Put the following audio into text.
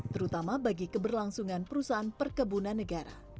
terutama bagi keberlangsungan perusahaan perkebunan negara